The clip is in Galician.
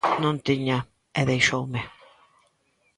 Non tiña, e deixoume.